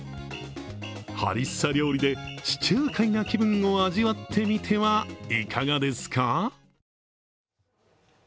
ハリッサ料理で地中海な気分を味わってみてはいかがですか？